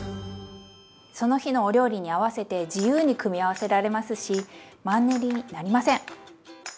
その日のお料理に合わせて自由に組み合わせられますしマンネリになりません！